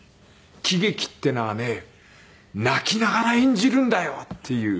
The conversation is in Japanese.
「喜劇っていうのはね泣きながら演じるんだよ」っていう。